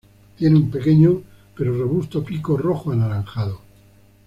Tiene un pequeño pero robusto pico rojo-anaranjado.